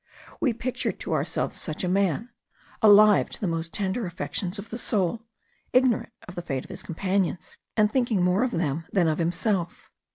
We pictured to ourselves such a man, alive to the most tender affections of the soul, ignorant of the fate of his companions, and thinking more of them than of himself.